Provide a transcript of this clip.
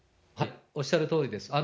おっしゃるとおりです。